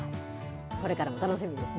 これからも楽しみですね。